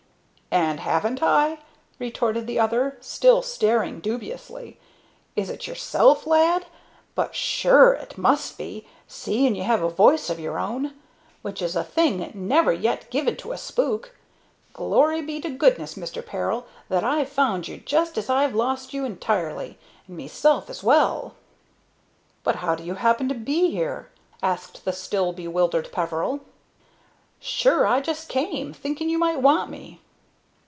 "And haven't I?" retorted the other, still staring dubiously. "Is it yourself, lad? But sure it must be, seeing you have a voice of your own, which is a thing never yet given to a spook. Glory be to goodness, Mister Peril, that I've found you just as I'd lost you entirely, and meself as well!" "But how do you happen to be here?" asked the still bewildered Peveril. "Sure I just came, thinking you might want me."